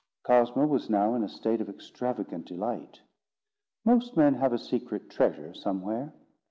Cosmo was now in a state of extravagant delight. Most men have a secret treasure somewhere.